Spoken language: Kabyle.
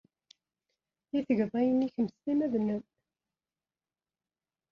I tgeḍ ayenni kemm s timmad-nnem?